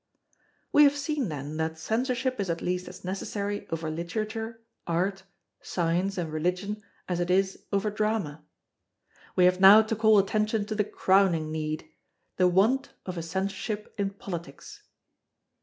We have seen, then, that Censorship is at least as necessary over Literature, Art, Science, and Religion as it is over our Drama. We have now to call attention to the crowning need—the want of a Censorship in Politics.